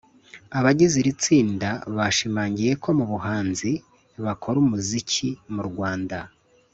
Abagize iri tsinda bashimangiye ko mu bahanzi bakora umuziki mu Rwanda